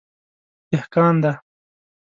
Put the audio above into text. _دهقان دی.